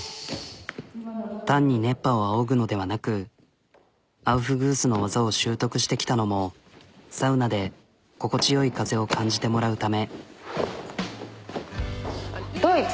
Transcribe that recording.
単に熱波をあおぐのではなくアウフグースの技を習得してきたのもサウナで心地よい風を感じてもらうため。